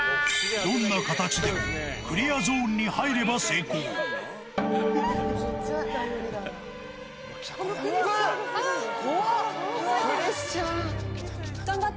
どんな形でもクリアゾーンにうわっ！